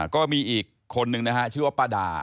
ก็มีอีกคนนึงนะฮะชื่อว่าป้าดา